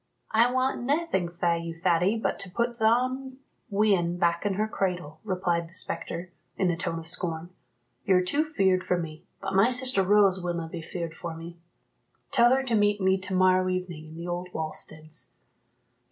"I want naething fae you, Thady, but to put thon wean back in her cradle," replied the spectre, in a tone of scorn. "You're too feared for me, but my sister Rose willna be feared for me tell her to meet me to morrow evening, in the old wallsteads."